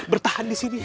bertahan di sini